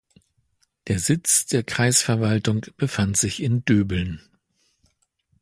Der Sitz der Kreisverwaltung befand sich in Döbeln.